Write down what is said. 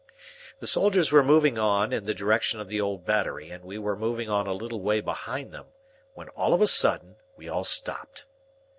The soldiers were moving on in the direction of the old Battery, and we were moving on a little way behind them, when, all of a sudden, we all stopped.